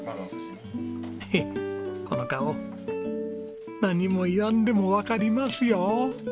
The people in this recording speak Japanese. ヘヘッこの顔。何も言わんでもわかりますよ！